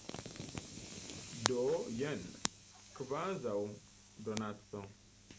Do jen, kvazaŭ donaco.